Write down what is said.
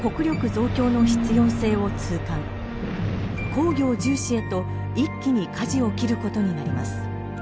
工業重視へと一気にかじを切ることになります。